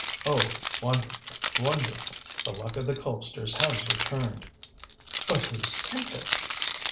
Oh, wonderful! wonderful! The luck of the Colpsters has returned." "But who sent it?"